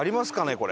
これ。